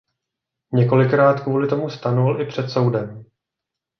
Několikrát kvůli tomu stanul i před soudem.